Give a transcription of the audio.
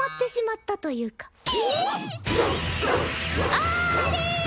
あれ！